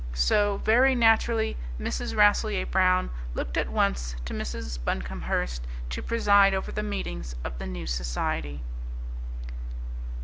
So very naturally Mrs. Rasselyer Brown looked at once to Mrs. Buncomhearst to preside over the meetings of the new society.